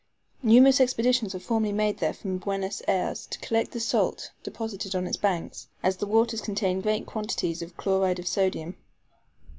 Numerous expeditions were formerly made there from Buenos Ayres, to collect the salt deposited on its banks, as the waters contain great quantities of chloride of sodium.